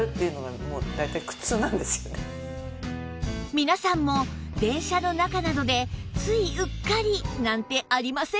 皆さんも電車の中などでついうっかりなんてありませんか？